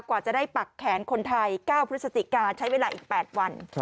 กว่าจะได้ปักแขนคนไทย๙พฤศจิกาใช้เวลาอีก๘วัน